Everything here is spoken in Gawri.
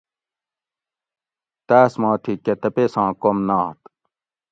تاۤس ما تھی کہۤ تپیساں کوم نات